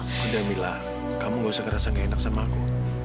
sudah mila kamu gak usah ngerasa gak enak sama aku